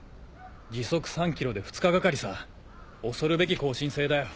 時速３キロで２日がかりさ恐るべき後進性だよ。